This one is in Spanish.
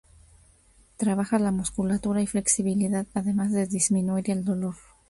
Trabaja la musculatura y flexibilidad, además de disminuir el dolor.